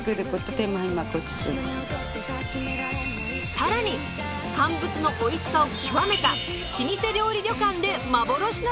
更に乾物のおいしさを極めた老舗料理旅館で幻の乾物に舌鼓。